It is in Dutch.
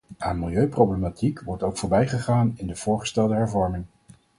Aan milieuproblematiek wordt ook voorbijgegaan in de voorgestelde hervorming.